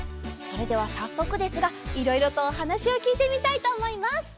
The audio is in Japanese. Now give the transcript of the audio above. それではさっそくですがいろいろとおはなしをきいてみたいとおもいます。